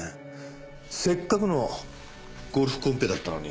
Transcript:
せっかくのゴルフコンペだったのに。